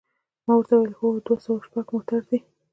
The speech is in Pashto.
ما ورته وویل: هو، دوه سوه شپږ موټر دی.